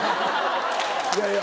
いやいや